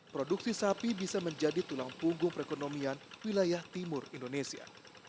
produksi sapi bisa menjadi tulang punggung perekonomian wilayah timur indonesia